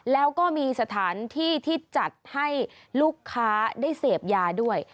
แล้วก็มีสถานที่ที่จัดให้ลูกค้าได้เสพยาด้วย